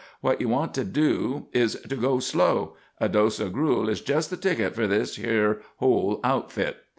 What you want to do is to go slow. A dose o' gruel is jest the ticket for this yer whole outfit."